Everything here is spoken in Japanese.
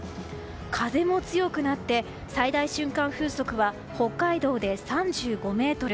風も強くなって、最大瞬間風速は北海道で３５メートル